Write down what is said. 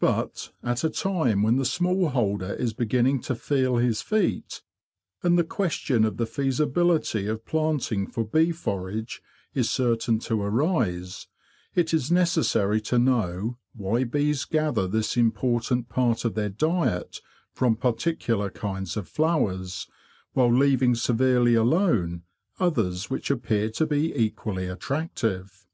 But at a time when the small holder is beginning to feel his feet, and the question of the feasibility of planting for bee forage is certain to arise, it is necessary to know why bees gather this important part of their diet from particular kinds of flowers, while leaving severely alone others which appear to be equally attractive.